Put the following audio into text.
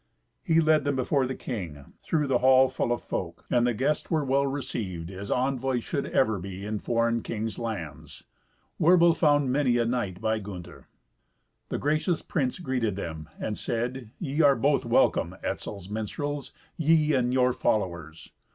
He led them before the king, through the hall full of folk, and the guests were well received, as envoys should ever be in foreign kings' lands. Werbel found many a knight by Gunther. The gracious prince greeted them, and said, "Ye are both welcome, Etzel's minstrels, ye and your followers.